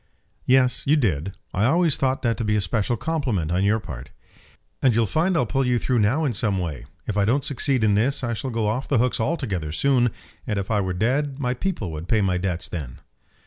"Yes, you did. I always thought that to be a special compliment on your part." "And you'll find I'll pull you through now in some way. If I don't succeed in this I shall go off the hooks altogether soon; and if I were dead my people would pay my debts then."